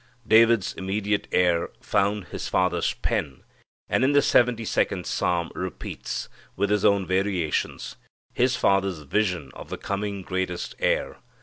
David's immediate heir found his father's pen, and in the Seventy second Psalm repeats, with his own variations, his father's vision of the coming greater Heir.